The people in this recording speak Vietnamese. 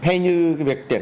thế như việc tiền